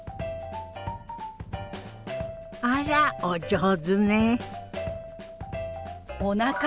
あらお上手ね。